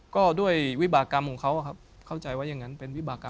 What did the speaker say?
ก็ด้วยวิบากรรมของเขาครับเข้าใจว่าอย่างนั้นเป็นวิบากรรม